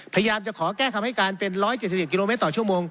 พยายามจะขอแก้คำให้การเป็น๑๗๑กิโลเมตรต่อชั่วโมง